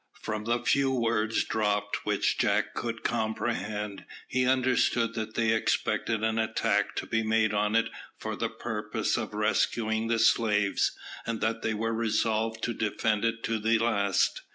From the few words dropped which Jack could comprehend, he understood that they expected an attack to be made on it for the purpose of rescuing the slaves, and that they were resolved to defend it to the last.